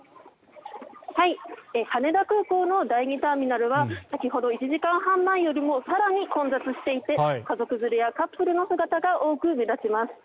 羽田空港の第２ターミナルは先ほど、１時間半前よりも更に混雑していて家族連れやカップルの姿が多く目立ちます。